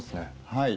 はい。